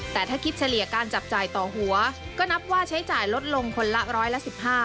แต่ถ้าคิดเฉลี่ยการจับจ่ายต่อหัวก็นับว่าใช้จ่ายลดลงคนละร้อยละ๑๕